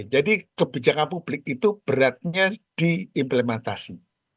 jadi kebijakan publik itu beratnya diimplementasi